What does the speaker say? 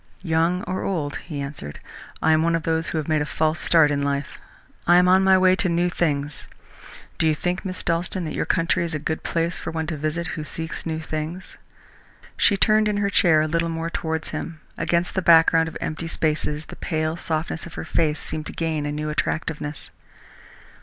"Young or old," he answered, "I am one of those who have made a false start in life. I am on my way to new things. Do you think, Miss Dalstan, that your country is a good place for one to visit who seeks new things?" She turned in her chair a little more towards him. Against the background of empty spaces, the pale softness of her face seemed to gain a new attractiveness.